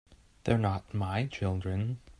They're not my children.